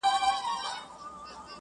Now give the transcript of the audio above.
چوپ پاته كيږو نور زموږ خبره نه اوري څوك.